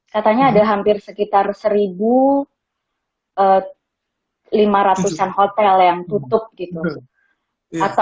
katanya ada hampir sekitar satu lima ratus an hotel yang tutup gitu